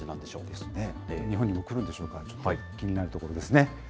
日本にも来るんでしょうか、ちょっと気になるところですね。